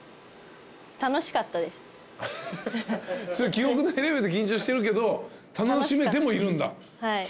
記憶ないレベルで緊張してるけど楽しめてもいるんだ。